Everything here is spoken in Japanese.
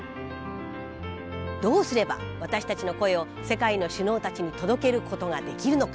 どうすれば私たちの声を世界の首脳たちに届けることができるのか？